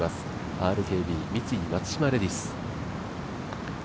ＲＫＢ×三井松島レディス。